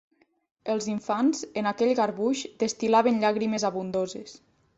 Els infants, en aquell garbuix, destil·laven llàgrimes abundoses.